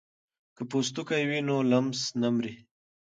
که پوستکی وي نو لمس نه مري.